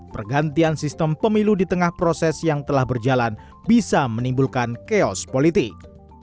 pergantian sistem pemilu di tengah proses yang telah berjalan bisa menimbulkan chaos politik